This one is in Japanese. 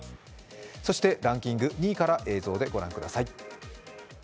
そしてランキング２位から映像でご覧ください。